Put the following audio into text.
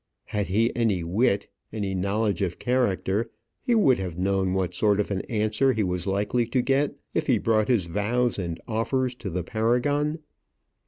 Had he had any wit, any knowledge of character, he would have known what sort of an answer he was likely to get if he brought his vows and offers to the Paragon.